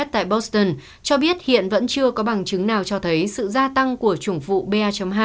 tại boston cho biết hiện vẫn chưa có bằng chứng nào cho thấy sự gia tăng của chủng vụ ba hai